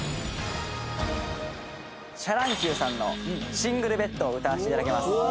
シャ乱Ｑさんの『シングルベッド』を歌わせて頂きます。